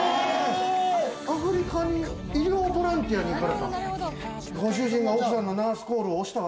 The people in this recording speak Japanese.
アフリカに医療ボランティアに行かれた？